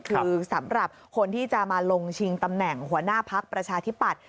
คือสำหรับคนที่จะมาลงชิงตำแหน่งหัวหน้าพักประชาธิปัตย